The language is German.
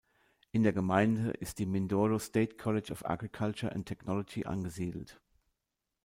In der Gemeinde ist die Mindoro State College of Agriculture and Technology angesiedelt.